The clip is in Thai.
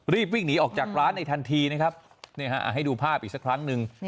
รีบวิ่งหนีออกจากร้านในทันทีนะครับให้ดูภาพอีกสักครั้งหนึ่ง